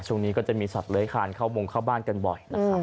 ช่วงนี้ก็จะมีสัตว์เลื้อยคานเข้าวงเข้าบ้านกันบ่อยนะครับ